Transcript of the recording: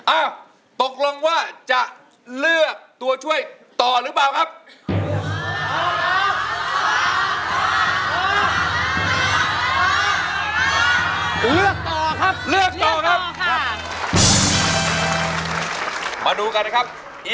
อ้าวตกลงว่าจะเลือกตัวช่วยต่อหรือเปล่าครับ